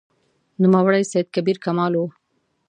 نوموړی سید کبیر کمال و.